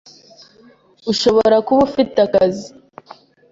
Ushobora kuba ufite akazi,